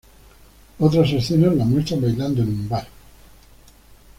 Otras escenas la muestran bailando en un bar.